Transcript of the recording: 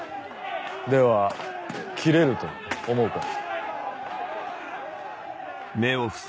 では斬れると思うか？